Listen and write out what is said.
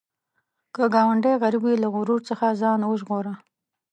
که ګاونډی غریب وي، له غرور څخه ځان وژغوره